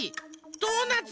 ドーナツ。